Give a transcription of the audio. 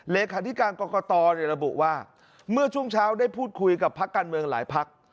เลขาธิการกรกตระบุว่าเมื่อช่วงเช้าได้พูดคุยกับพักการเมืองหลายพัก